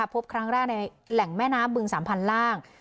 พบครั้งแรกในแหล่งแม่น้ำบึง๓๐๐ล่าง